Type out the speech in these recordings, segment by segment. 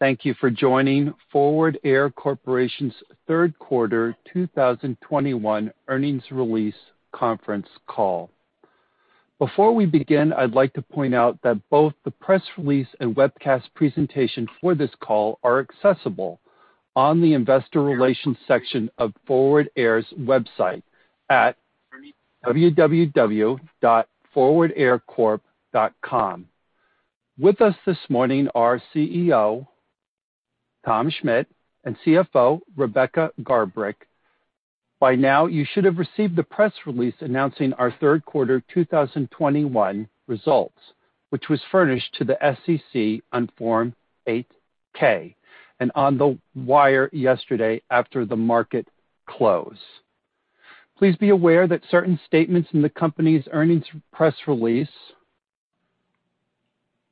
Thank you for joining Forward Air Corporation's Q3 2021 earnings release conference call. Before we begin, I'd like to point out that both the press release and webcast presentation for this call are accessible on the investor relations section of Forward Air's website at www.forwardaircorp.com. With us this morning are CEO, Tom Schmitt, and CFO, Rebecca Garbrick. By now, you should have received the press release announcing our Q3 2021 results, which was furnished to the SEC on Form 8-K and on the wire yesterday after the market close. Please be aware that certain statements in the company's earnings press release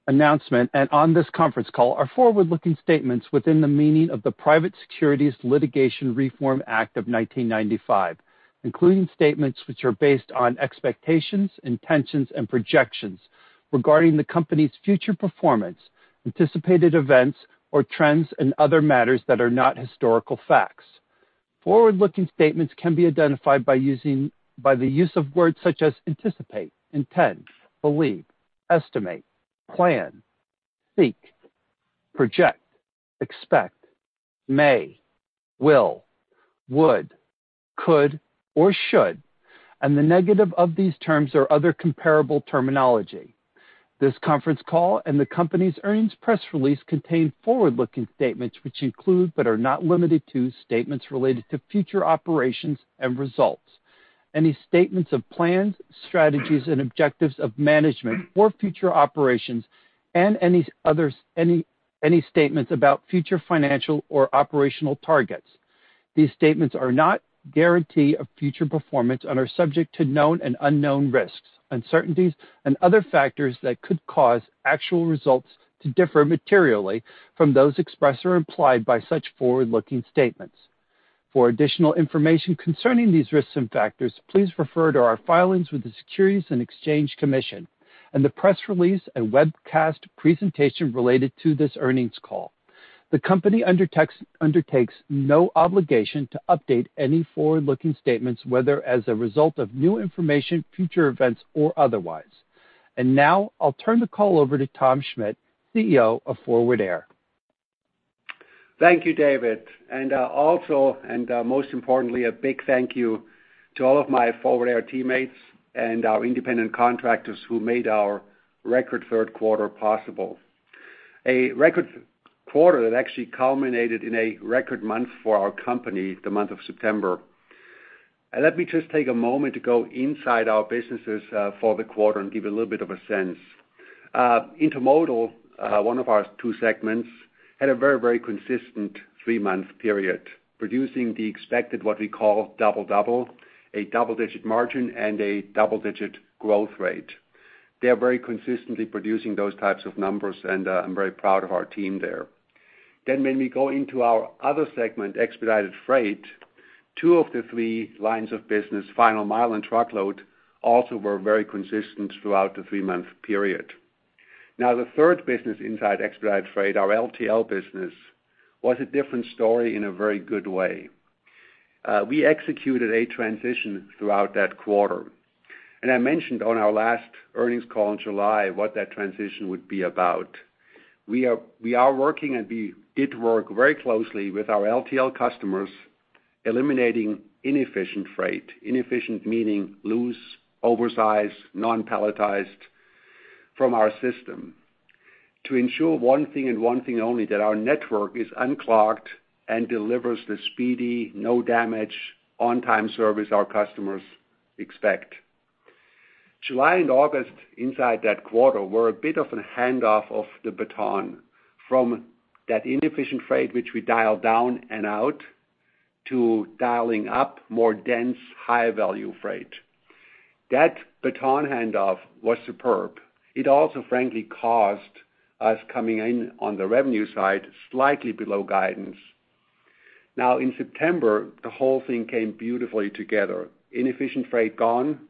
announcement and on this conference call are forward-looking statements within the meaning of the Private Securities Litigation Reform Act of 1995, including statements which are based on expectations, intentions, and projections regarding the company's future performance, anticipated events or trends, and other matters that are not historical facts. Forward-looking statements can be identified by the use of words such as anticipate, intend, believe, estimate, plan, seek, project, expect, may, will, would, could, or should, and the negative of these terms or other comparable terminology. This conference call and the company's earnings press release contain forward-looking statements which include, but are not limited to, statements related to future operations and results. Any statements of plans, strategies, and objectives of management or future operations and any others, any statements about future financial or operational targets. These statements are not guarantees of future performance and are subject to known and unknown risks, uncertainties, and other factors that could cause actual results to differ materially from those expressed or implied by such forward-looking statements. For additional information concerning these risks and factors, please refer to our filings with the Securities and Exchange Commission and the press release and webcast presentation related to this earnings call. The company undertakes no obligation to update any forward-looking statements, whether as a result of new information, future events, or otherwise. Now I'll turn the call over to Tom Schmitt, CEO of Forward Air. Thank you, David. Most importantly, a big thank you to all of my Forward Air teammates and our independent contractors who made our record Q3 possible. A record quarter that actually culminated in a record month for our company, the month of September. Let me just take a moment to go inside our businesses for the quarter and give you a little bit of a sense. Intermodal, one of our two segments, had a very, very consistent three-month period, producing the expected, what we call double-double, a double-digit margin and a double-digit growth rate. They are very consistently producing those types of numbers, and I'm very proud of our team there. When we go into our other segment, Expedited Freight, two of the three lines of business, final mile and truckload, also were very consistent throughout the three-month period. Now, the third business inside Expedited Freight, our LTL business, was a different story in a very good way. We executed a transition throughout that quarter. I mentioned on our last earnings call in July what that transition would be about. We are working, and we did work very closely with our LTL customers, eliminating inefficient freight, inefficient meaning loose, oversize, non-palletized from our system to ensure one thing and one thing only, that our network is unclogged and delivers the speedy, no damage, on-time service our customers expect. July and August inside that quarter were a bit of a handoff of the baton from that inefficient freight, which we dialed down and out to dialing up more dense, higher value freight. That baton handoff was superb. It also, frankly, caused us coming in on the revenue side, slightly below guidance. Now in September, the whole thing came beautifully together. Inefficient freight gone,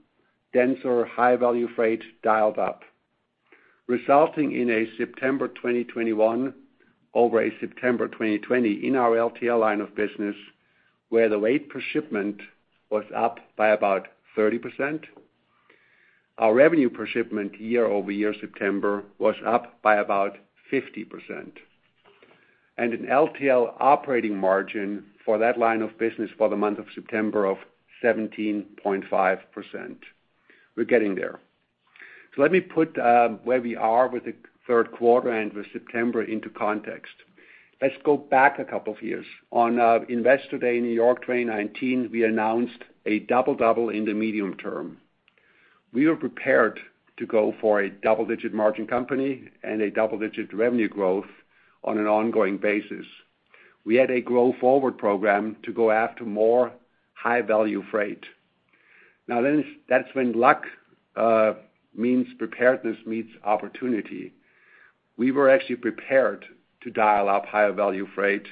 denser high-value freight dialed up, resulting in a September 2021 over a September 2020 in our LTL line of business, where the weight per shipment was up by about 30%. Our revenue per shipment year-over-year, September was up by about 50%. An LTL operating margin for that line of business for the month of September of 17.5%. We're getting there. Let me put where we are with the Q3 and with September into context. Let's go back a couple of years. On Investor Day in New York, 2019, we announced a double-double in the medium term. We were prepared to go for a double-digit margin company and a double-digit revenue growth on an ongoing basis. We had a Grow Forward program to go after more high-value freight. Now then, that's when luck means preparedness meets opportunity. We were actually prepared to dial up higher value freight.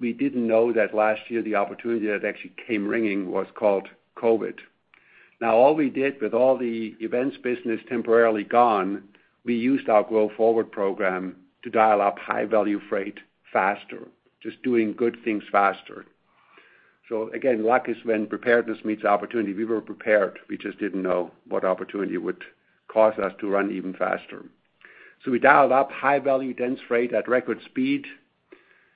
We didn't know that last year, the opportunity that actually came ringing was called COVID. Now all we did with all the events business temporarily gone, we used our Grow Forward program to dial up high value freight faster, just doing good things faster. Again, luck is when preparedness meets opportunity. We were prepared. We just didn't know what opportunity would cause us to run even faster. We dialed up high value freight at record speed,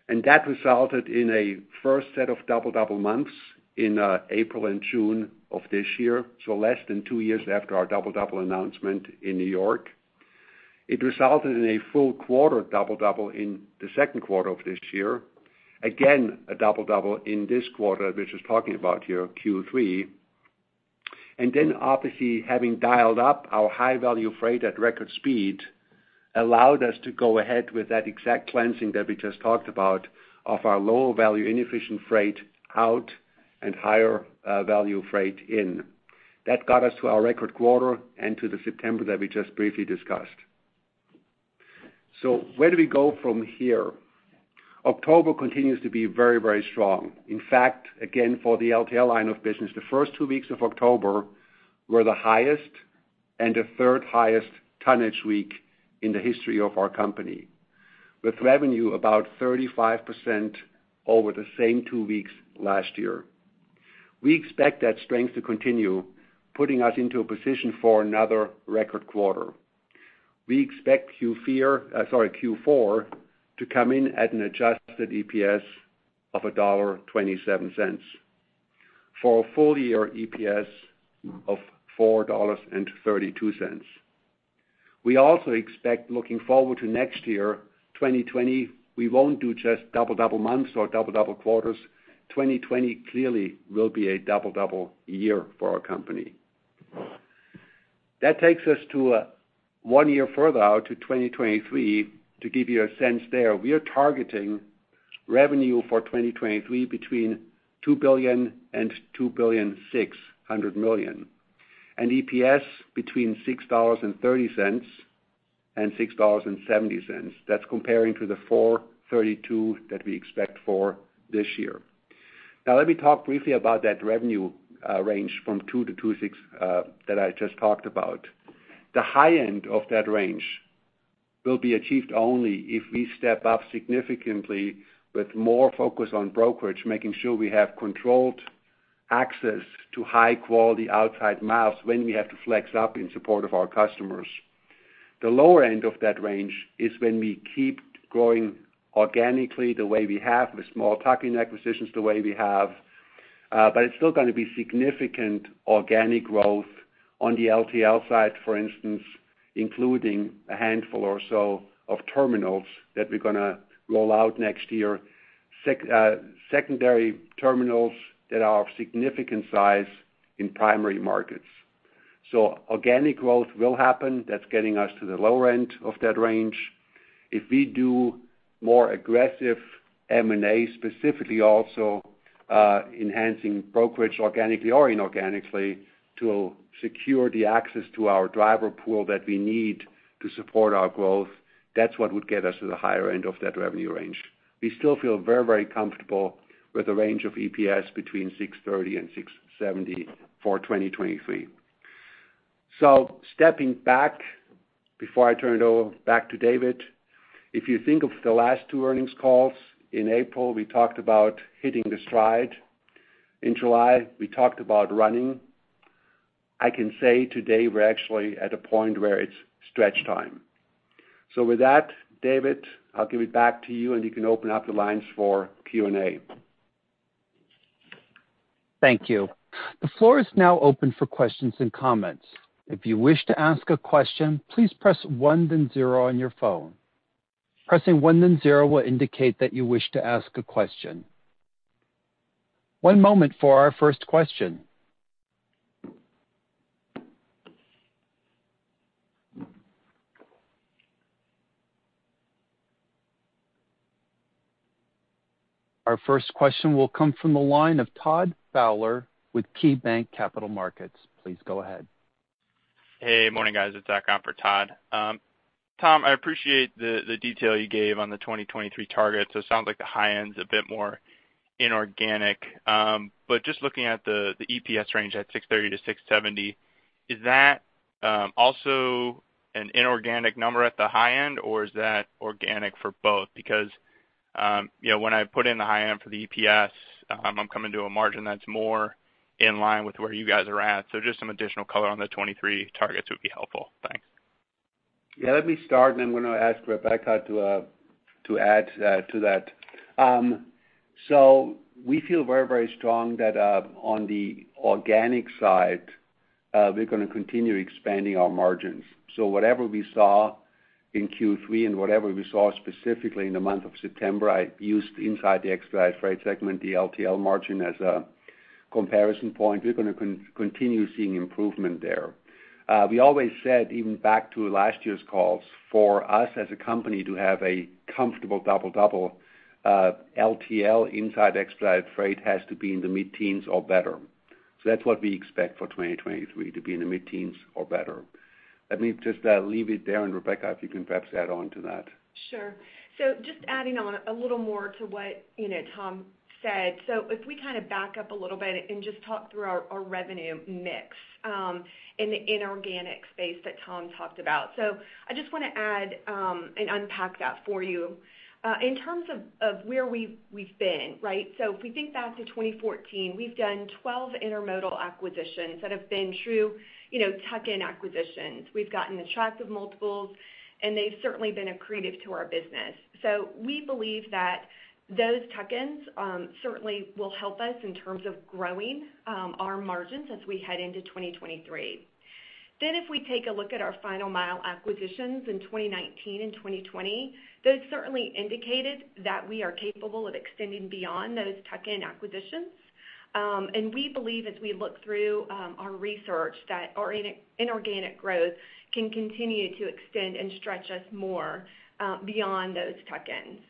and that resulted in a first set of double-double months in April and June of this year. Less than two years after our double-double announcement in New York. It resulted in a full quarter double double in the Q2 of this year. Again, a double double in this quarter, which is talking about here Q3. Obviously, having dialed up our high value freight at record speed allowed us to go ahead with that exact cleansing that we just talked about of our lower value inefficient freight out and higher value freight in. That got us to our record quarter and to the September that we just briefly discussed. Where do we go from here? October continues to be very, very strong. In fact, again, for the LTL line of business, the first two weeks of October were the highest and the third highest tonnage week in the history of our company, with revenue about 35% over the same two weeks last year. We expect that strength to continue putting us into a position for another record quarter. We expect Q4 to come in at an adjusted EPS of $1.27 for a full year EPS of $4.32. We also expect looking forward to next year, 2020, we won't do just double-double months or double-double quarters. 2020 clearly will be a double-double year for our company. That takes us to one year further out to 2023 to give you a sense there. We are targeting revenue for 2023 between $2 billion and $2.6 billion, and EPS between $6.30 and $6.70. That's comparing to the $4.32 that we expect for this year. Now let me talk briefly about that revenue range from 2% to 2.6% that I just talked about. The high end of that range will be achieved only if we step up significantly with more focus on brokerage, making sure we have controlled access to high quality outside miles when we have to flex up in support of our customers. The lower end of that range is when we keep growing organically the way we have with small tuck-in acquisitions the way we have. But it's still going to be significant organic growth on the LTL side, for instance, including a handful or so of terminals that we're going to roll out next year. Secondary terminals that are of significant size in primary markets. Organic growth will happen. That's getting us to the lower end of that range. If we do more aggressive M&A, specifically also, enhancing brokerage organically or inorganically to secure the access to our driver pool that we need to support our growth, that's what would get us to the higher end of that revenue range. We still feel very, very comfortable with a range of EPS between $6.30 and $6.70 for 2023. Stepping back before I turn it over back to David. If you think of the last two earnings calls, in April, we talked about hitting the stride. In July, we talked about running. I can say today we're actually at a point where it's stretch time. With that, David, I'll give it back to you, and you can open up the lines for Q&A. Thank you. The floor is now open for questions and comments. If you wish to ask a question, please press one then zero on your phone. Pressing one then zero will indicate that you wish to ask a question. One moment for our first question. Our first question will come from the line of Todd Fowler with KeyBanc Capital Markets. Please go ahead. Hey, morning, guys. It's Zach Haggerty, Todd. Tom, I appreciate the detail you gave on the 2023 targets. It sounds like the high end's a bit more inorganic. Just looking at the EPS range at $6.30 to $6.70, is that also an inorganic number at the high end, or is that organic for both? Because, you know, when I put in the high end for the EPS, I'm coming to a margin that's more in line with where you guys are at. Just some additional color on the 2023 targets would be helpful. Thanks. Yeah, let me start, and I'm going to ask Rebecca to add to that. We feel very, very strong that on the organic side, we're going to continue expanding our margins. Whatever we saw in Q3 and whatever we saw specifically in the month of September, I used inside the Expedited Freight segment, the LTL margin as a comparison point. We're going to continue seeing improvement there. We always said, even back to last year's calls, for us as a company to have a comfortable double-double, LTL inside Expedited Freight has to be in the mid-teens or better. That's what we expect for 2023, to be in the mid-teens or better. Let me just leave it there, and Rebecca, if you can perhaps add on to that. Sure. Just adding on a little more to what, you know, Tom said. If we kind of back up a little bit and just talk through our revenue mix in the inorganic space that Tom talked about. I just wanna add and unpack that for you. In terms of where we've been, right? If we think back to 2014, we've done 12 Intermodal acquisitions that have been true, you know, tuck-in acquisitions. We've gotten attractive multiples, and they've certainly been accretive to our business. We believe that those tuck-ins certainly will help us in terms of growing our margins as we head into 2023. If we take a look at our final mile acquisitions in 2019 and 2020, those certainly indicated that we are capable of extending beyond those tuck-in acquisitions. We believe as we look through our research that our inorganic growth can continue to extend and stretch us more beyond those tuck-ins.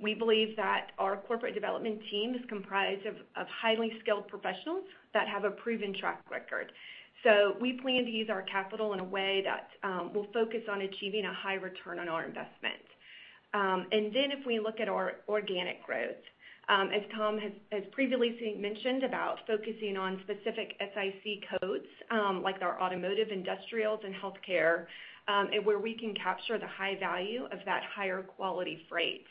We believe that our corporate development team is comprised of highly skilled professionals that have a proven track record. We plan to use our capital in a way that will focus on achieving a high return on our investment. If we look at our organic growth, as Tom has previously mentioned about focusing on specific SIC codes, like our automotive, industrials, and healthcare, and where we can capture the high value of that higher quality freight.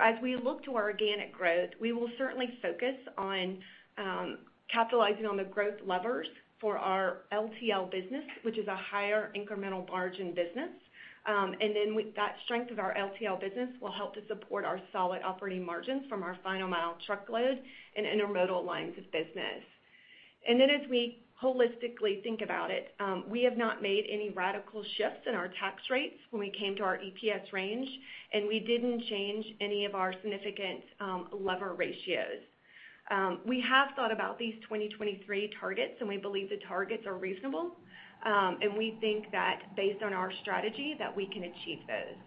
As we look to organic growth, we will certainly focus on capitalizing on the growth levers for our LTL business, which is a higher incremental margin business. With that strength of our LTL business will help to support our solid operating margins from our final mile truckload and Intermodal lines of business. As we holistically think about it, we have not made any radical shifts in our tax rates when we came to our EPS range, and we didn't change any of our significant leverage ratios. We have thought about these 2023 targets, and we believe the targets are reasonable, and we think that based on our strategy that we can achieve those.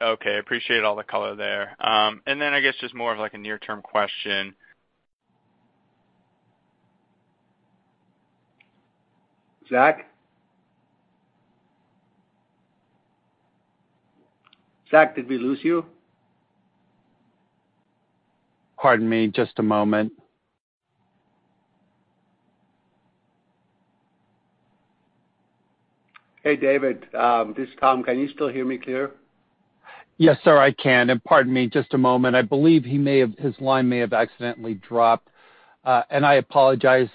Okay. Appreciate all the color there. I guess just more of like a near term question. Zach? Zach, did we lose you? Pardon me just a moment. Hey, David, this is Tom. Can you still hear me clear? Yes, sir, I can. Pardon me just a moment. I believe his line may have accidentally dropped, and I apologize.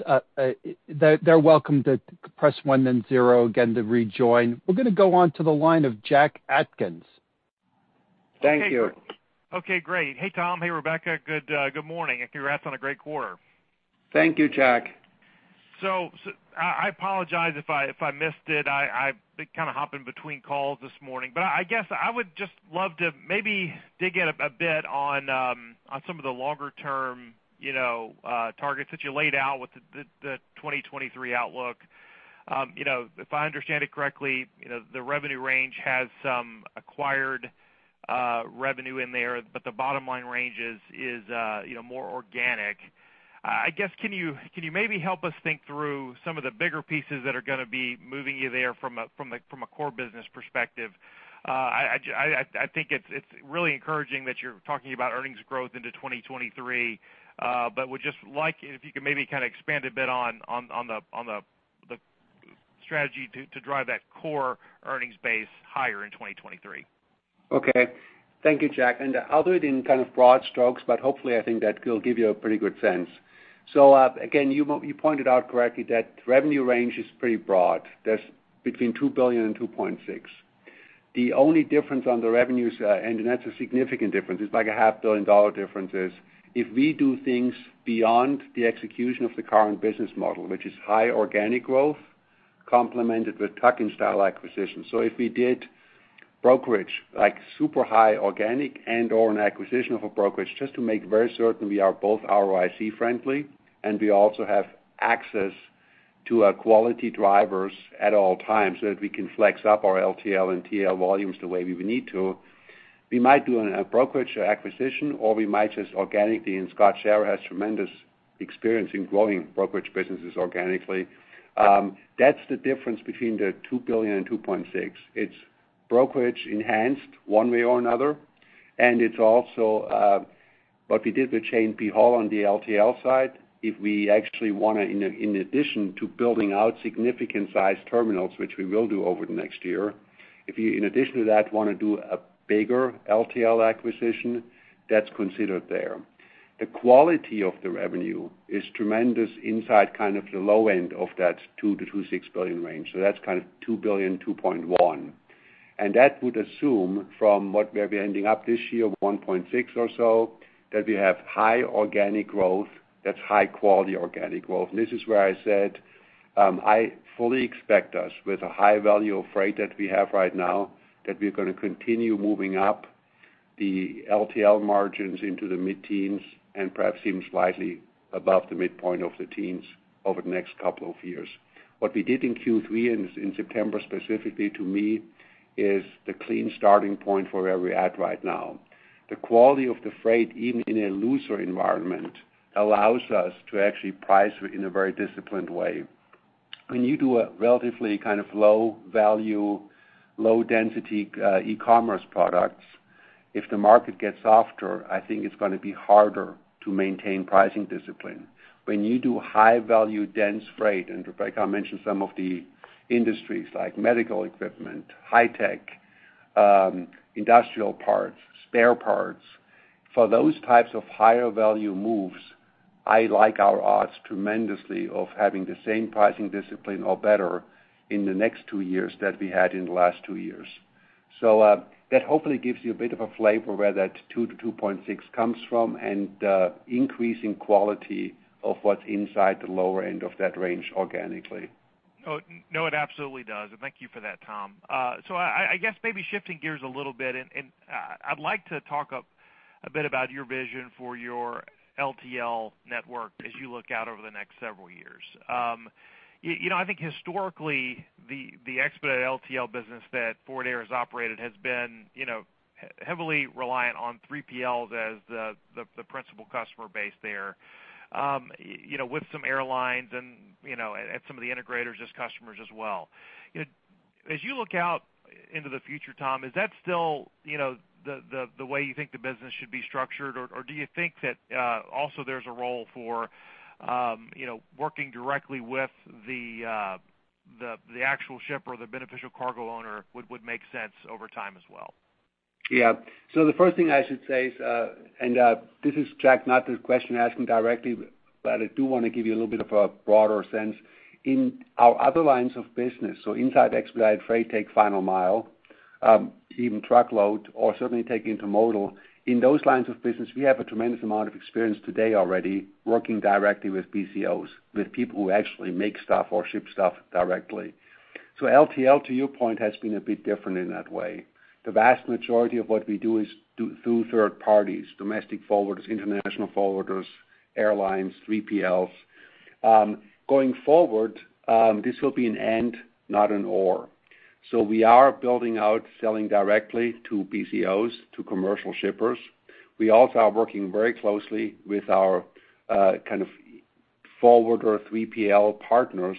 They're welcome to press one then zero again to rejoin. We're gonna go on to the line of Jack Atkins. Thank you. Okay, great. Hey, Tom. Hey, Rebecca. Good morning, and congrats on a great quarter. Thank you, Jack. I apologize if I missed it. I've been kind of hopping between calls this morning. I guess I would just love to maybe dig in a bit on some of the longer term, you know, targets that you laid out with the 2023 outlook. You know, if I understand it correctly, you know, the revenue range has some acquired revenue in there, but the bottom line range is, you know, more organic. I guess, can you maybe help us think through some of the bigger pieces that are gonna be moving you there from a core business perspective? I think it's really encouraging that you're talking about earnings growth into 2023, but would just like if you could maybe kind of expand a bit on the strategy to drive that core earnings base higher in 2023. Okay. Thank you, Jack. I'll do it in kind of broad strokes, but hopefully, I think that will give you a pretty good sense. Again, you pointed out correctly that revenue range is pretty broad. That's between $2 billion and $2.6 billion. The only difference on the revenues, and that's a significant difference, it's like a half billion dollar difference, is if we do things beyond the execution of the current business model, which is high organic growth complemented with tuck-in style acquisitions. If we did brokerage like super high organic and/or an acquisition of a brokerage just to make very certain we are both ROIC friendly, and we also have access to quality drivers at all times so that we can flex up our LTL and TL volumes the way we would need to, we might do a brokerage acquisition, or we might just organically, and Scott Schara has tremendous experience in growing brokerage businesses organically. That's the difference between the $2 billion and $2.6 billion. It's brokerage enhanced one way or another, and it's also what we did with Shane P. Hall on the LTL side. If we actually wanna, in addition to building out significant sized terminals, which we will do over the next year, if you in addition to that, wanna do a bigger LTL acquisition, that's considered there. The quality of the revenue is tremendous inside kind of the low end of that $2 to $2.6 billion range, so that's kind of $2 billion, $2.1. That would assume from what we'll be ending up this year, $1.6 or so, that we have high organic growth, that's high quality organic growth. This is where I said, I fully expect us with the high value of freight that we have right now, that we're gonna continue moving up the LTL margins into the mid-teens and perhaps even slightly above the midpoint of the teens over the next couple of years. What we did in Q3, and in September specifically to me, is the clean starting point for where we're at right now. The quality of the freight, even in a looser environment, allows us to actually price in a very disciplined way. When you do a relatively kind of low value, low density, e-commerce products, if the market gets softer, I think it's gonna be harder to maintain pricing discipline. When you do high value dense freight, and like I mentioned, some of the industries like medical equipment, high tech, industrial parts, spare parts for those types of higher value moves, I like our odds tremendously of having the same pricing discipline or better in the next two years that we had in the last two years. That hopefully gives you a bit of a flavor where that 2 to 2.6 comes from, and increasing quality of what's inside the lower end of that range organically. Oh, no, it absolutely does. Thank you for that, Tom. I guess maybe shifting gears a little bit, and I'd like to talk a bit about your vision for your LTL network as you look out over the next several years. You know, I think historically, the Expedited LTL business that Forward Air has operated has been, you know, heavily reliant on 3PLs as the principal customer base there, you know, with some airlines and, you know, at some of the integrators as customers as well. As you look out into the future, Tom, is that still, you know, the way you think the business should be structured? Do you think that also there's a role for, you know, working directly with the actual shipper or the beneficial cargo owner would make sense over time as well? Yeah. The first thing I should say is, this is Jack, not answering the question directly, but I do wanna give you a little bit of a broader sense. In our other lines of business, inside Expedited Freight, take final mile, even truckload or certainly take Intermodal. In those lines of business, we have a tremendous amount of experience today already working directly with BCOs, with people who actually make stuff or ship stuff directly. LTL, to your point, has been a bit different in that way. The vast majority of what we do is done through third parties, domestic forwarders, international forwarders, airlines, 3PLs. Going forward, this will be an and, not an or. We are building out selling directly to BCOs, to commercial shippers. We also are working very closely with our kind of forwarder 3PL partners.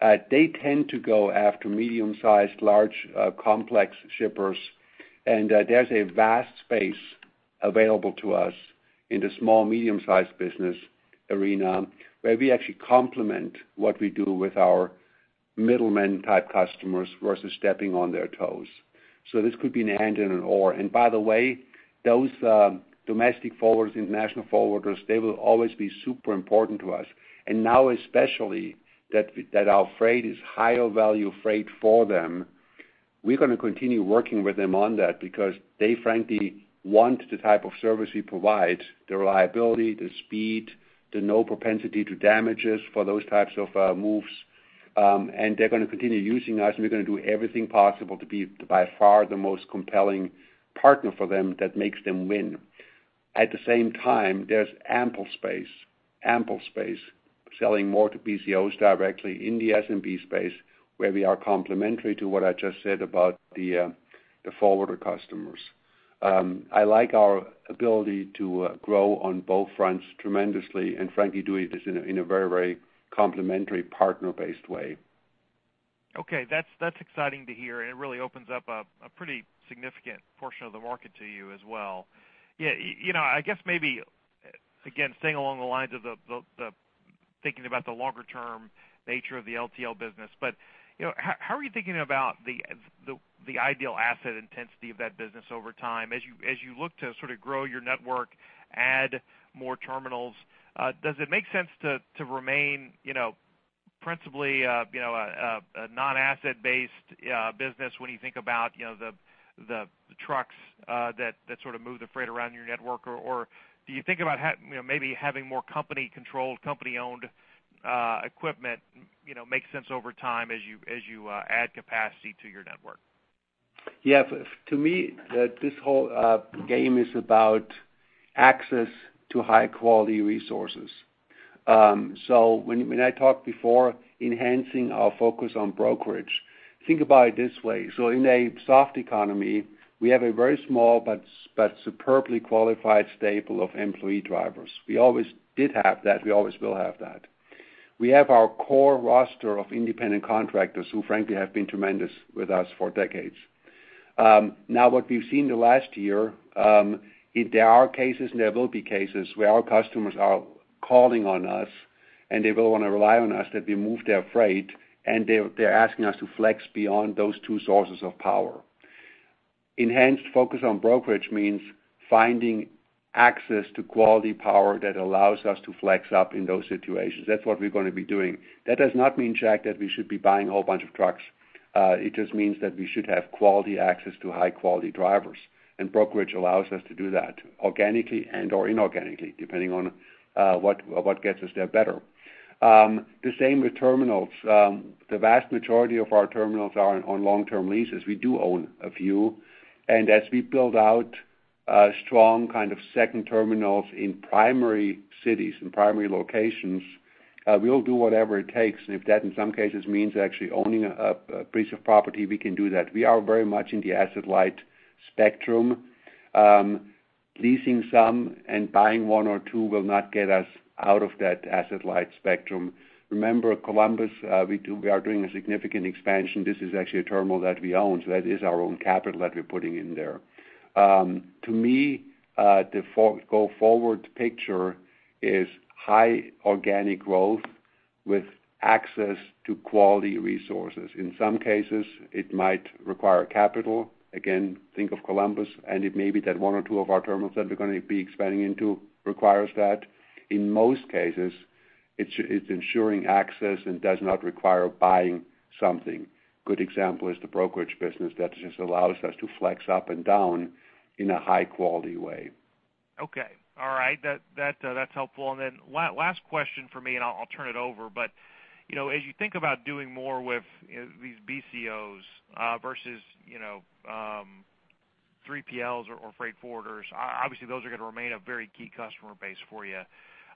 They tend to go after medium-sized, large, complex shippers, and there's a vast space available to us in the small- and medium-sized business arena where we actually complement what we do with our middlemen type customers versus stepping on their toes. This could be an and an or. By the way, those domestic forwarders, international forwarders, they will always be super important to us. Now especially that our freight is higher value freight for them, we're gonna continue working with them on that because they frankly want the type of service we provide, the reliability, the speed, the no propensity to damages for those types of moves. They're gonna continue using us, and we're gonna do everything possible to be by far the most compelling partner for them that makes them win. At the same time, there's ample space selling more to BCOs directly in the SMB space where we are complementary to what I just said about the forwarder customers. I like our ability to grow on both fronts tremendously and frankly doing this in a very, very complementary partner-based way. Okay. That's exciting to hear, and it really opens up a pretty significant portion of the market to you as well. Yeah, you know, I guess maybe, again, staying along the lines of the thinking about the longer term nature of the LTL business. You know, how are you thinking about the ideal asset intensity of that business over time? As you look to sort of grow your network, add more terminals, does it make sense to remain, you know, principally, you know, a non-asset-based business when you think about, you know, the trucks that sort of move the freight around your network? do you think about you know, maybe having more company-controlled, company-owned, equipment, you know, makes sense over time as you add capacity to your network? Yeah. To me, this whole game is about access to high-quality resources. When I talked before enhancing our focus on brokerage, think about it this way. In a soft economy, we have a very small but superbly qualified staple of employee drivers. We always did have that. We always will have that. We have our core roster of independent contractors who frankly have been tremendous with us for decades. Now what we've seen in the last year, there are cases and there will be cases where our customers are calling on us, and they will want to rely on us that we move their freight, and they're asking us to flex beyond those two sources of power. Enhanced focus on brokerage means finding access to quality power that allows us to flex up in those situations. That's what we're gonna be doing. That does not mean, Jack, that we should be buying a whole bunch of trucks. It just means that we should have quality access to high-quality drivers. Brokerage allows us to do that organically and or inorganically, depending on what gets us there better. The same with terminals. The vast majority of our terminals are on long-term leases. We do own a few. As we build out strong kind of second terminals in primary cities and primary locations, we'll do whatever it takes. If that in some cases means actually owning a piece of property, we can do that. We are very much in the asset-light spectrum. Leasing some and buying one or two will not get us out of that asset-light spectrum. Remember Columbus, we are doing a significant expansion. This is actually a terminal that we own, so that is our own capital that we're putting in there. To me, the go forward picture is high organic growth with access to quality resources. In some cases, it might require capital. Again, think of Columbus, and it may be that one or two of our terminals that we're gonna be expanding into requires that. In most cases, it's ensuring access and does not require buying something. Good example is the brokerage business that just allows us to flex up and down in a high-quality way. Okay. All right. That's helpful. Last question for me, and I'll turn it over. You know, as you think about doing more with, you know, these BCOs, versus, you know, 3PLs or freight forwarders, obviously those are gonna remain a very key customer base for you.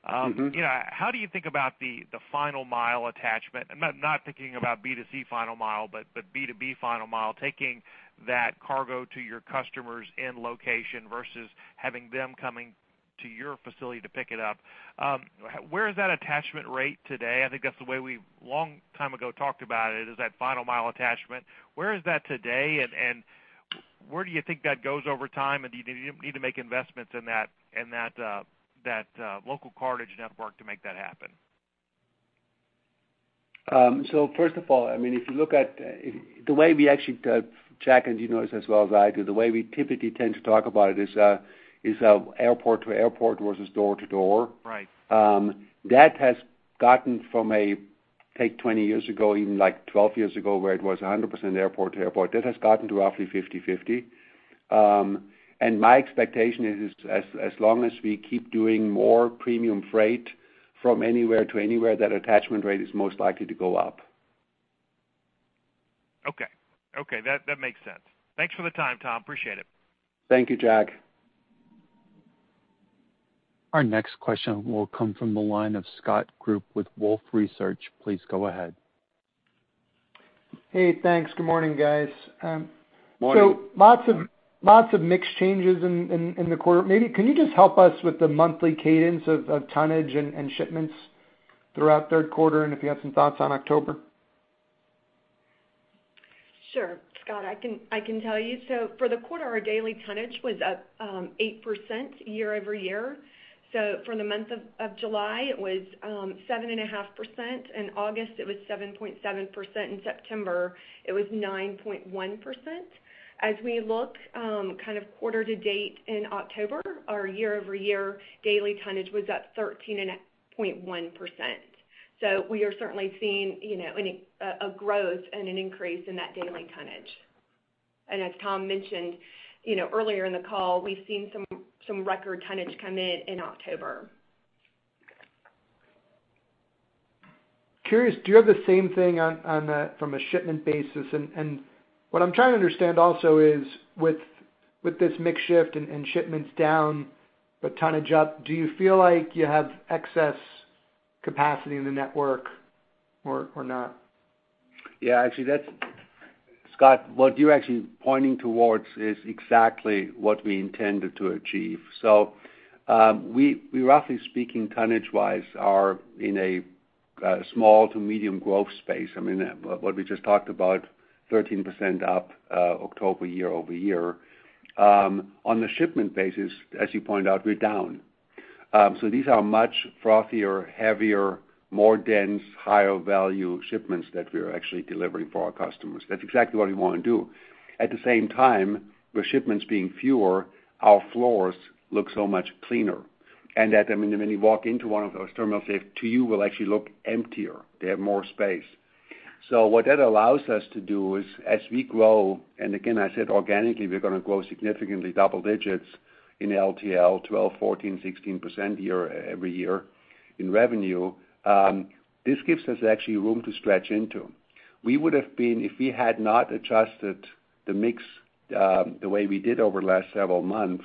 Mm-hmm. You know, how do you think about the final mile attachment? I'm not thinking about B2C final mile, but B2B final mile, taking that cargo to your customers in location versus having them coming to your facility to pick it up. Where is that attachment rate today? I think that's the way we long time ago talked about it, is that final mile attachment. Where is that today, and where do you think that goes over time, and do you need to make investments in that local cartage network to make that happen? First of all, I mean, if you look at the way we actually, Jack, and you know this as well as I do, the way we typically tend to talk about it is airport to airport versus door to door. Right. That has gotten from, say, 20 years ago, even like 12 years ago, where it was 100% airport to airport, that has gotten to roughly 50/50. My expectation is as long as we keep doing more premium freight from anywhere to anywhere, that attachment rate is most likely to go up. Okay, that makes sense. Thanks for the time, Tom. Appreciate it. Thank you, Jack. Our next question will come from the line of Scott Group with Wolfe Research. Please go ahead. Hey, thanks. Good morning, guys. Morning. Lots of mixed changes in the quarter. Maybe can you just help us with the monthly cadence of tonnage and shipments throughout Q3, and if you have some thoughts on October? Sure. Scott, I can tell you. For the quarter, our daily tonnage was up 8% year-over-year. For the month of July, it was 7.5%. In August, it was 7.7%. In September, it was 9.1%. As we look kind of quarter to date in October, our year-over-year daily tonnage was up 13.1%. We are certainly seeing you know a growth and an increase in that daily tonnage. As Tom mentioned you know earlier in the call, we've seen some record tonnage come in in October. Curious, do you have the same thing on a from a shipment basis? What I'm trying to understand also is with this mix shift and shipments down but tonnage up, do you feel like you have excess capacity in the network or not? Yeah, actually, that's Scott, what you're actually pointing towards is exactly what we intended to achieve. We roughly speaking tonnage-wise are in a small to medium growth space. I mean, what we just talked about, 13% up, October year-over-year. On the shipment basis, as you pointed out, we're down. These are much frothier, heavier, more dense, higher value shipments that we're actually delivering for our customers. That's exactly what we wanna do. At the same time, with shipments being fewer, our floors look so much cleaner. That, I mean, when you walk into one of those terminals, they, to you, will actually look emptier. They have more space. What that allows us to do is as we grow, and again, I said organically, we're gonna grow significantly double digits in LTL, 12%, 14%, 16% every year in revenue. This gives us actually room to stretch into. We would have been, if we had not adjusted the mix, the way we did over the last several months,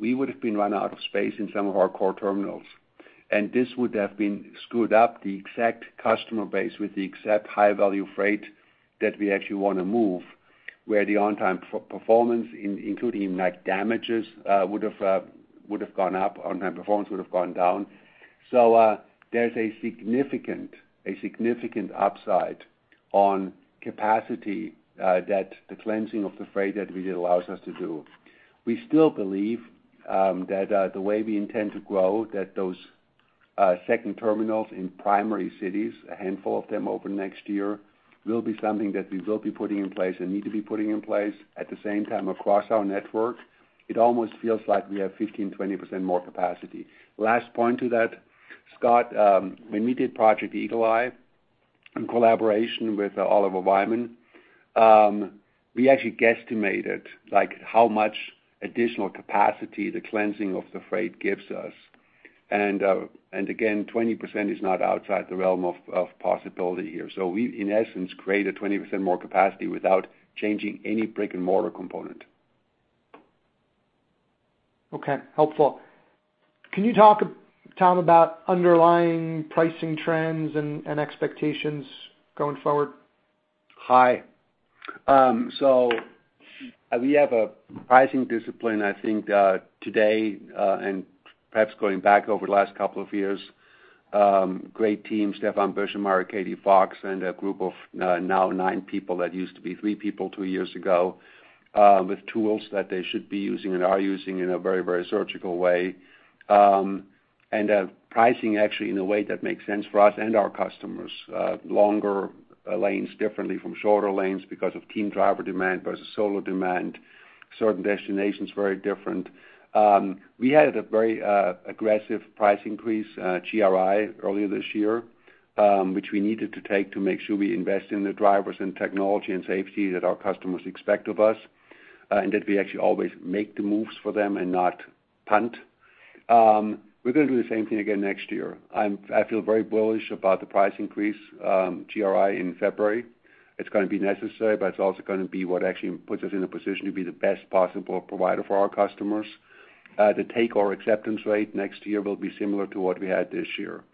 we would have been run out of space in some of our core terminals. This would have been screwed up the exact customer base with the exact high value freight that we actually wanna move, where the on-time performance, including like damages, would have gone up. On-time performance would have gone down. There's a significant upside on capacity that the cleansing of the freight that we did allows us to do. We still believe that the way we intend to grow, that those second terminals in primary cities, a handful of them open next year, will be something that we will be putting in place and need to be putting in place. At the same time, across our network, it almost feels like we have 15%, 20% more capacity. Last point to that, Scott, when we did Project Eagle Eye in collaboration with Oliver Wyman, we actually guesstimated, like, how much additional capacity the cleansing of the freight gives us. And again, 20% is not outside the realm of possibility here. We, in essence, created 20% more capacity without changing any brick-and-mortar component. Okay. Helpful. Can you talk, Tom, about underlying pricing trends and expectations going forward? Hi. We have a pricing discipline, I think, today, and perhaps going back over the last couple of years. Great team, Stefan Bitsch-März, Katie Fox, and a group of, now nine people that used to be three people two years ago, with tools that they should be using and are using in a very, very surgical way. Pricing actually in a way that makes sense for us and our customers, longer lanes differently from shorter lanes because of team driver demand versus solo demand, certain destinations very different. We had a very aggressive price increase, GRI earlier this year, which we needed to take to make sure we invest in the drivers and technology and safety that our customers expect of us, and that we actually always make the moves for them and not punt. We're going to do the same thing again next year. I feel very bullish about the price increase, GRI in February. It's going to be necessary, but it's also going to be what actually puts us in a position to be the best possible provider for our customers. The take or acceptance rate next year will be similar to what we had this year.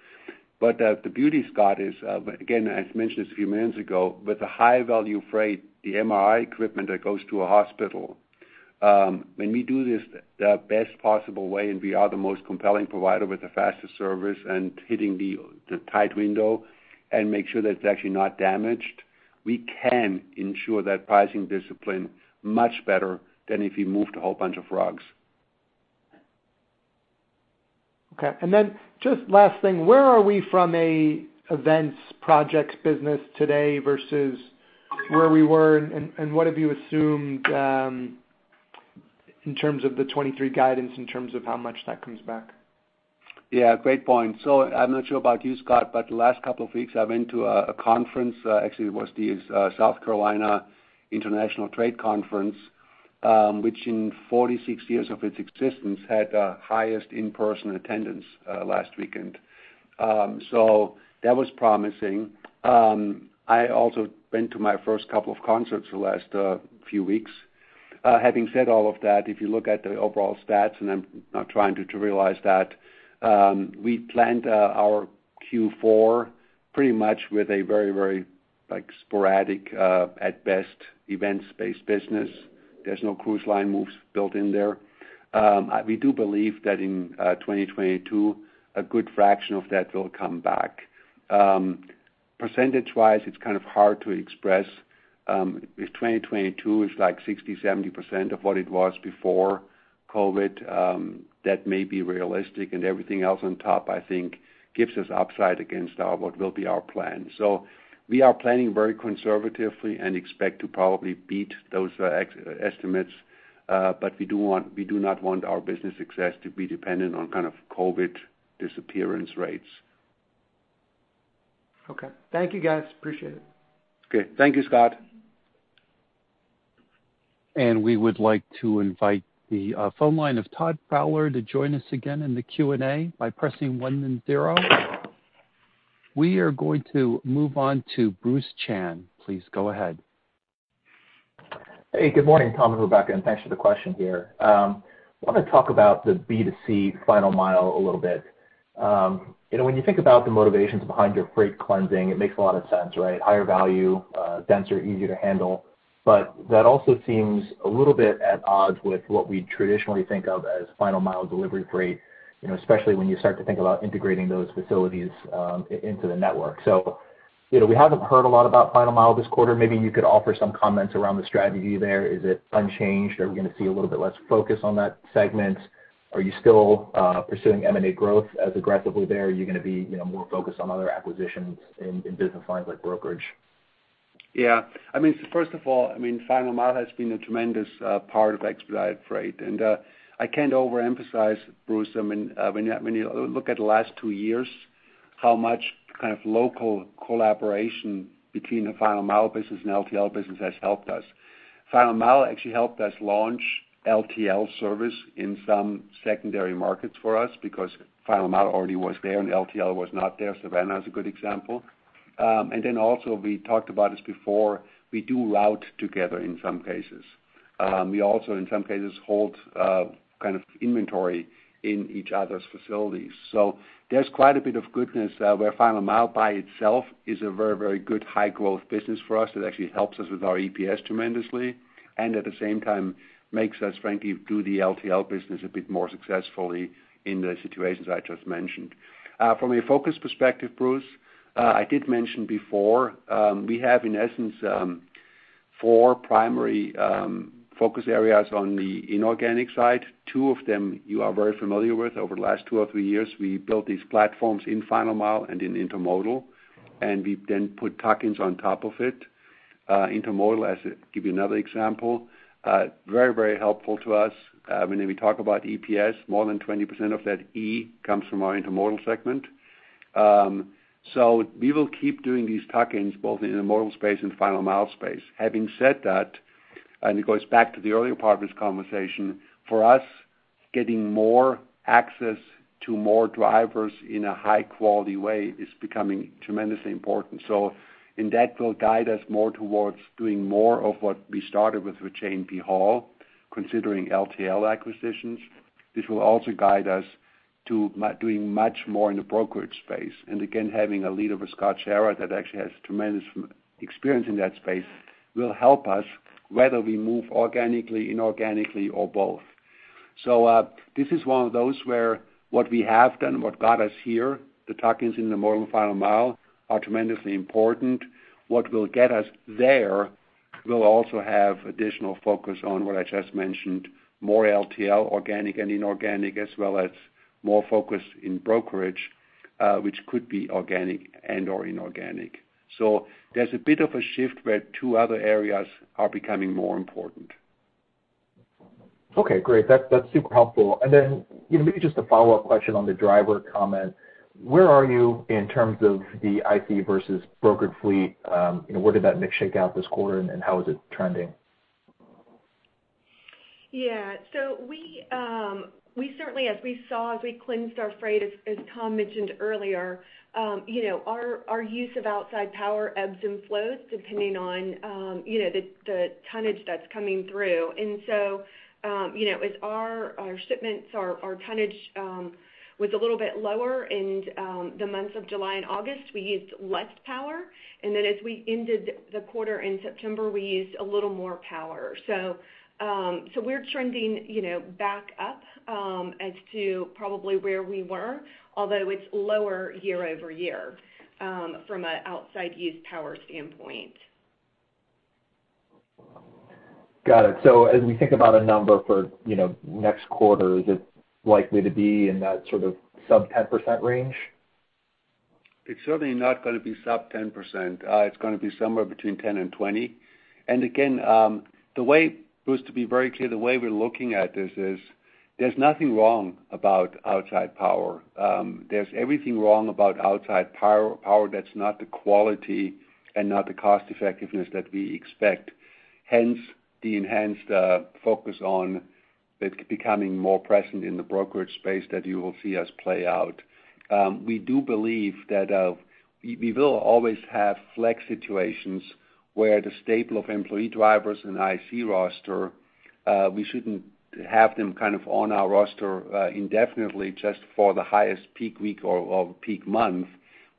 The beauty, Scott, is again, as mentioned a few minutes ago, with the high value freight, the MRI equipment that goes to a hospital, when we do this the best possible way, and we are the most compelling provider with the fastest service and hitting the tight window and make sure that it's actually not damaged, we can ensure that pricing discipline much better than if we moved a whole bunch of rugs. Okay. Just last thing, where are we from a events projects business today versus where we were, and what have you assumed in terms of the 2023 guidance, in terms of how much that comes back? Yeah, great point. I'm not sure about you, Scott, but the last couple of weeks I went to a conference, actually it was the South Carolina International Trade Conference, which in 46 years of its existence had the highest in-person attendance last weekend. That was promising. I also been to my first couple of concerts the last few weeks. Having said all of that, if you look at the overall stats, and I'm not trying to trivialize that, we planned our Q4 pretty much with a very, like, sporadic at best event space business. There's no cruise line moves built in there. We do believe that in 2022, a good fraction of that will come back. Percentage-wise, it's kind of hard to express, if 2022 is like 60%, 70% of what it was before COVID, that may be realistic, and everything else on top, I think, gives us upside against our plan. We are planning very conservatively and expect to probably beat those estimates, but we do not want our business success to be dependent on kind of COVID disappearance rates. Okay. Thank you, guys. Appreciate it. Okay. Thank you, Scott. We would like to invite the phone line of Todd Fowler to join us again in the Q&A by pressing one and zero. We are going to move on to Bruce Chan. Please go ahead. Hey, good morning, Tom and Rebecca, and thanks for the question here. Want to talk about the B2C final mile a little bit. You know, when you think about the motivations behind your freight cleansing, it makes a lot of sense, right? Higher value, denser, easier to handle. That also seems a little bit at odds with what we traditionally think of as final mile delivery freight, you know, especially when you start to think about integrating those facilities into the network. You know, we haven't heard a lot about final mile this quarter. Maybe you could offer some comments around the strategy there. Is it unchanged? Are we going to see a little bit less focus on that segment? Are you still pursuing M&A growth as aggressively there? Are you going to be, you know, more focused on other acquisitions in business lines like brokerage? Yeah. I mean, first of all, I mean, final mile has been a tremendous part of Expedited Freight. I can't overemphasize, Bruce, I mean, when you look at the last two years, how much kind of local collaboration between the final mile business and LTL business has helped us. Final mile actually helped us launch LTL service in some secondary markets for us because final mile already was there and LTL was not there. Savannah is a good example. Also, we talked about this before, we do route together in some cases. We also in some cases hold kind of inventory in each other's facilities. There's quite a bit of goodness where final mile by itself is a very, very good high-growth business for us that actually helps us with our EPS tremendously, and at the same time makes us, frankly, do the LTL business a bit more successfully in the situations I just mentioned. From a focus perspective, Bruce, I did mention before, we have in essence four primary focus areas on the inorganic side. Two of them you are very familiar with. Over the last two or three years, we built these platforms in final mile and in Intermodal, and we then put tuck-ins on top of it. Intermodal, as I give you another example, very, very helpful to us. Whenever we talk about EPS, more than 20% of that E comes from our Intermodal segment. We will keep doing these tuck-ins both in the intermodal space and final mile space. Having said that, it goes back to the earlier part of this conversation, for us, getting more access to more drivers in a high-quality way is becoming tremendously important. That will guide us more towards doing more of what we started with J&B Hall. Considering LTL acquisitions, this will also guide us to doing much more in the brokerage space. Again, having a leader with Scott Schara that actually has tremendous experience in that space will help us whether we move organically, inorganically, or both. This is one of those where what we have done, what got us here, the tuck-ins in the more final mile are tremendously important. What will get us there will also have additional focus on what I just mentioned, more LTL, organic and/or inorganic, as well as more focus in brokerage, which could be organic and/or inorganic. There's a bit of a shift where two other areas are becoming more important. Okay, great. That's super helpful. You know, maybe just a follow-up question on the driver comment. Where are you in terms of the IC versus brokered fleet? You know, where did that mix shake out this quarter, and how is it trending? Yeah, we certainly, as we saw, as we cleansed our freight, as Tom mentioned earlier, you know, our use of outside power ebbs and flows depending on, you know, the tonnage that's coming through. You know, as our shipments, our tonnage was a little bit lower in the months of July and August, we used less power. As we ended the quarter in September, we used a little more power. We're trending, you know, back up to probably where we were, although it's lower year-over-year, from an outside use power standpoint. Got it. As we think about a number for, you know, next quarter, is it likely to be in that sort of sub-10% range? It's certainly not gonna be sub-10%. It's gonna be somewhere between 10% and 20%. Again, the way, Bruce, to be very clear, the way we're looking at this is there's nothing wrong about outside power. There's everything wrong about outside power that's not the quality and not the cost effectiveness that we expect. Hence, the enhanced focus on it becoming more present in the brokerage space that you will see us play out. We do believe that we will always have flex situations where the staple of employee drivers and IC roster, we shouldn't have them kind of on our roster indefinitely just for the highest peak week or peak month.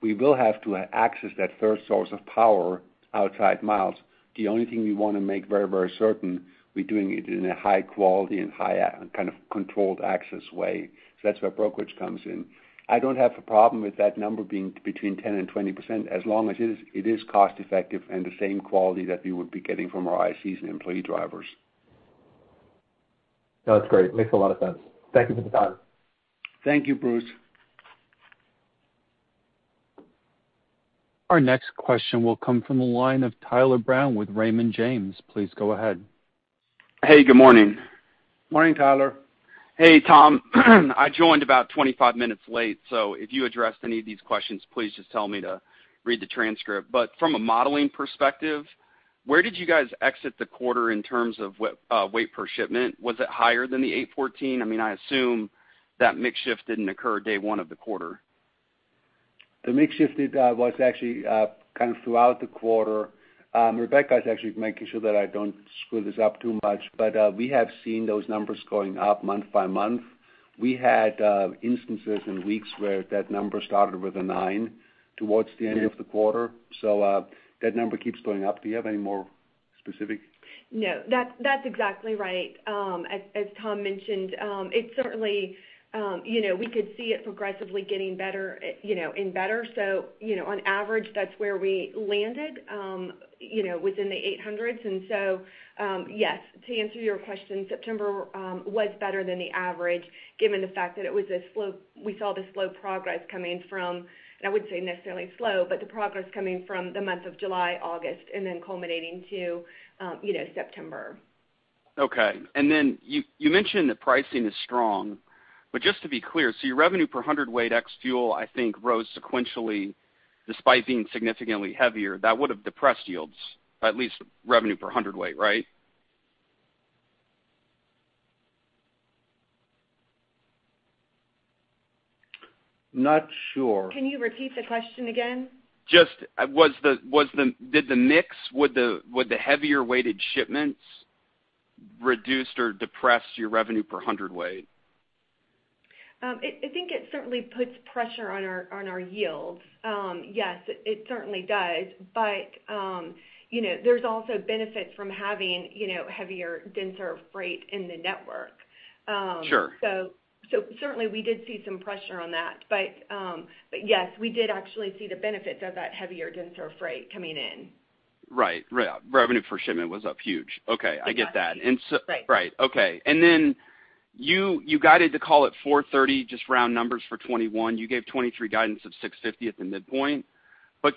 We will have to access that third source of power outside miles. The only thing we wanna make very, very certain we're doing it in a high quality and high kind of controlled access way. That's where brokerage comes in. I don't have a problem with that number being between 10% and 20%, as long as it is cost effective and the same quality that we would be getting from our ICs and employee drivers. No, that's great. Makes a lot of sense. Thank you for the time. Thank you, Bruce. Our next question will come from the line of Tyler Brown with Raymond James. Please go ahead. Hey, good morning. Morning, Tyler. Hey, Tom. I joined about 25 minutes late, so if you addressed any of these questions, please just tell me to read the transcript. From a modeling perspective, where did you guys exit the quarter in terms of weight per shipment? Was it higher than the 814? I mean, I assume that mix shift didn't occur day one of the quarter. The mix shifted, was actually kind of throughout the quarter. Rebecca is actually making sure that I don't screw this up too much, but we have seen those numbers going up month by month. We had instances and weeks where that number started with a nine towards the end of the quarter. That number keeps going up. Do you have any more specific? No. That's exactly right. As Tom mentioned, it certainly, you know, we could see it progressively getting better, you know, and better. You know, on average, that's where we landed, you know, within the 800s. Yes, to answer your question, September was better than the average given the fact that we saw the slow progress coming from the month of July, August, and then culminating to, you know, September. I wouldn't say necessarily slow, but the progress coming from the month of July, August, and then culminating to, you know, September. Okay. You mentioned the pricing is strong. Just to be clear, so your revenue per hundred weight ex fuel, I think, rose sequentially despite being significantly heavier. That would have depressed yields, at least revenue per hundred weight, right? Not sure. Can you repeat the question again? Just, did the mix with the heavier weighted shipments reduced or depressed your revenue per hundredweight? I think it certainly puts pressure on our yields. Yes, it certainly does. You know, there's also benefits from having, you know, heavier, denser freight in the network. Sure. Certainly we did see some pressure on that. Yes, we did actually see the benefits of that heavier, denser freight coming in. Right. Revenue per shipment was up huge. Okay. I get that. Right. You guided the call at 4:30 P.M., just round numbers for 2021. You gave 2023 guidance of $6.50 at the midpoint.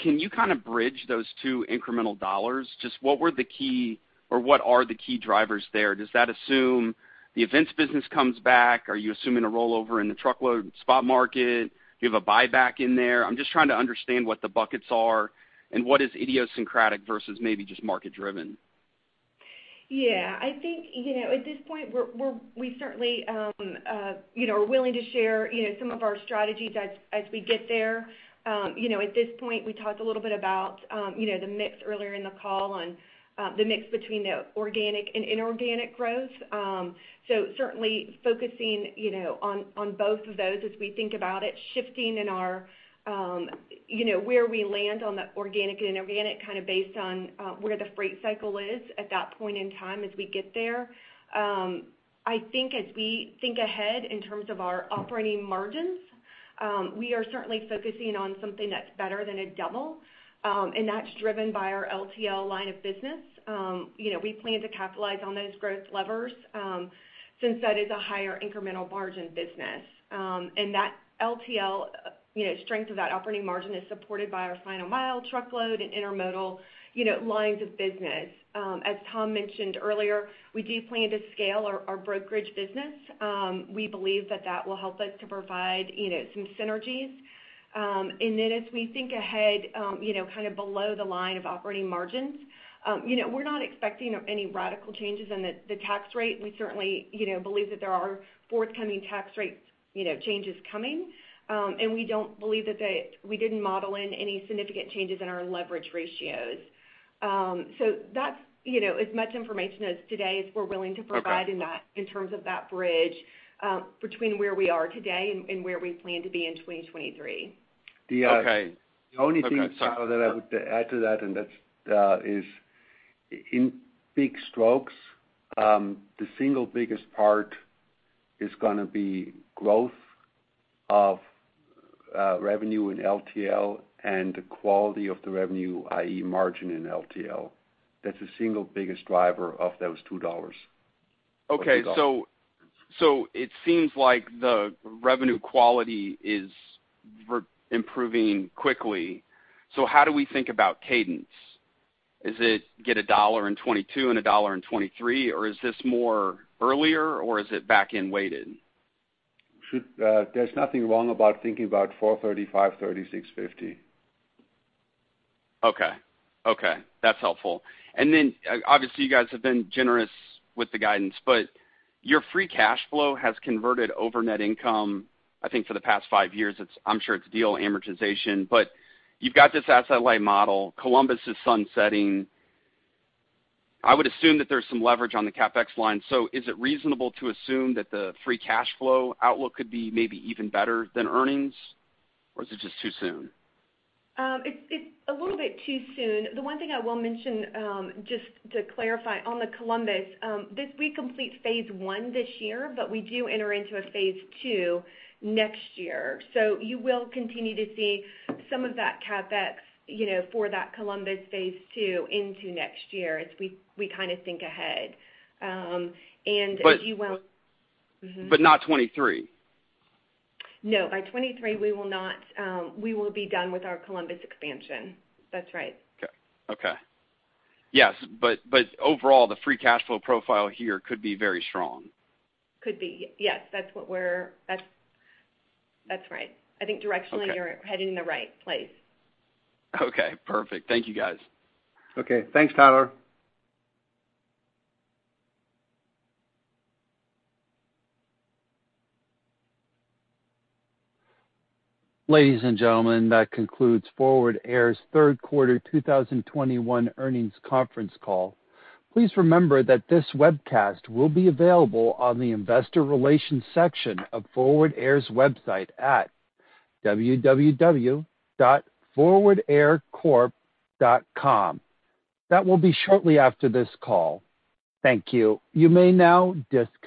Can you kind of bridge those two incremental dollars? Just what are the key drivers there? Does that assume the events business comes back? Are you assuming a rollover in the truckload spot market? Do you have a buyback in there? I'm just trying to understand what the buckets are and what is idiosyncratic versus maybe just market-driven. I think, you know, at this point we certainly are willing to share, you know, some of our strategies as we get there. You know, at this point we talked a little bit about, you know, the mix earlier in the call on the mix between the organic and inorganic growth. Certainly focusing, you know, on both of those as we think about it shifting in our, you know, where we land on the organic and inorganic kind of based on where the freight cycle is at that point in time as we get there. I think as we think ahead in terms of our operating margins, we are certainly focusing on something that's better than a double, and that's driven by our LTL line of business. You know, we plan to capitalize on those growth levers, since that is a higher incremental margin business. That LTL, you know, strength of that operating margin is supported by our final mile truckload and Intermodal, you know, lines of business. As Tom mentioned earlier, we do plan to scale our brokerage business. We believe that will help us to provide, you know, some synergies. As we think ahead, you know, kind of below the line of operating margins, you know, we're not expecting any radical changes in the tax rate. We certainly, you know, believe that there are forthcoming tax rate changes coming. We don't believe that we didn't model in any significant changes in our leverage ratios. That's, you know, as much information as today as we're willing to provide. Okay. In that, in terms of that bridge, between where we are today and where we plan to be in 2023. Okay. The only thing, Tyler, that I would add to that, and that is in big strokes, the single biggest part is gonna be growth of revenue in LTL and the quality of the revenue, i.e. margin in LTL. That's the single biggest driver of those $2. It seems like the revenue quality is very improving quickly. How do we think about cadence? Is it get $1 in 2022 and $1 in 2023, or is this more earlier, or is it back-end weighted? There's nothing wrong about thinking about $4.30, $5.30, $6.50. Okay. Okay, that's helpful. Obviously you guys have been generous with the guidance, but your free cash flow has converted over net income, I think for the past five years. It's. I'm sure it's deal amortization, but you've got this asset-light model. Columbus is sunsetting. I would assume that there's some leverage on the CapEx line. Is it reasonable to assume that the free cash flow outlook could be maybe even better than earnings? Is it just too soon? It's a little bit too soon. The one thing I will mention, just to clarify on the Columbus, we complete phase one this year, but we do enter into a phase two next year. You will continue to see some of that CapEx, you know, for that Columbus phase two into next year as we kind of think ahead. But not 23? No. By 2023 we will not, we will be done with our Columbus expansion. That's right. Okay. Yes, but overall the free cash flow profile here could be very strong. Could be. Yes, that's right. I think directionally. Okay. You're heading in the right place. Okay, perfect. Thank you, guys. Okay. Thanks, Tyler. Ladies and gentlemen, that concludes Forward Air's Q3 2021 earnings conference call. Please remember that this webcast will be available on the investor relations section of Forward Air's website at www.forwardaircorp.com. That will be shortly after this call. Thank you. You may now disconnect.